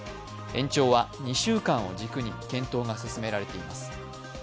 延長は２週間を軸に検討が進められています。